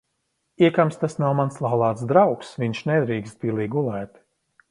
Iekams tas nav mans laulāts draugs, viņš nedrīkst pilī gulēt.